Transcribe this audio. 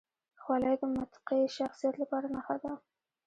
خولۍ د متقي شخصیت لپاره نښه ده.